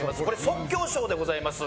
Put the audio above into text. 即興ショーでございます。